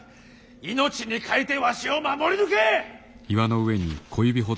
命に代えてわしを守り抜け！